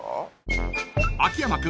［秋山君